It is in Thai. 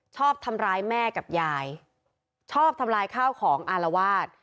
ชอบทำร้ายแม่กับยายชอบทำลายข้าวของอารวาส